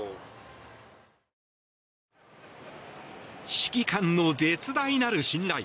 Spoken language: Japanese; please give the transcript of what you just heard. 指揮官の絶大なる信頼。